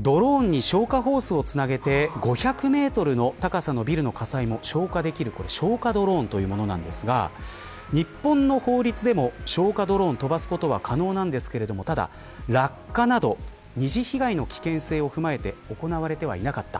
ドローンに消火ホースをつなげて５００メートルの高さのビルの火災も消火できる消火ドローンというものですが日本の法律でも消火ドローンを飛ばすことは可能ですがただ、落下など二次被害の危険性を踏まえて行われてはいませんでした。